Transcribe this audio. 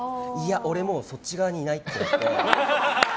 俺もうそっち側にいないって。